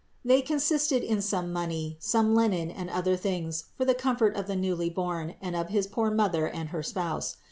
They consisted in some money, some linen and other things for the comfort of the newly born and of his poor Mother and her spouse.